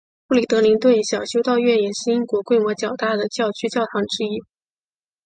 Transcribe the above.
布里德灵顿小修道院也是英国规模较大的教区教堂之一。